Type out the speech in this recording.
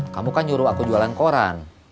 kamu kan nyuruh aku jualan koran